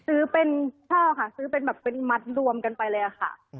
ซื้อเป็นช่อค่ะซื้อเป็นแบบเป็นมัดรวมกันไปเลยค่ะ